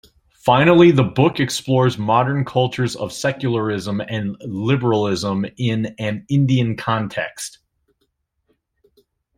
Finally, the book explores modern cultures of secularism and liberalism in an Indian context.